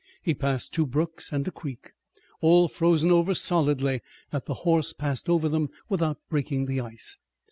He passed two brooks and a creek, all frozen over so solidly that the horse passed on them without breaking the ice.